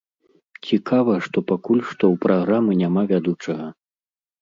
Цікава, што пакуль што ў праграмы няма вядучага.